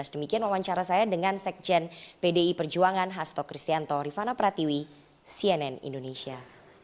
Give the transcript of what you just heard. demikian wawancara saya dengan sekjen pdi perjuangan hasto kristianto rifana pratiwi cnn indonesia